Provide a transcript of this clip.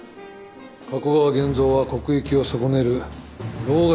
加古川源蔵は国益を損ねる老害だったからな。